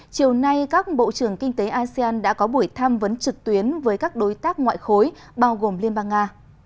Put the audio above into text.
chiều nay các bộ trưởng kinh tế asean đã có buổi tham vấn trực tuyến với các đối tác ngoại khối bao gồm liên bang nga